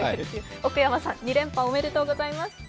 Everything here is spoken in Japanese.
奥山さん２連覇おめでとうございます。